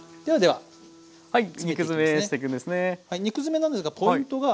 はい。